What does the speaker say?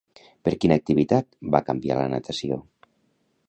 Per quina activitat va canviar la natació?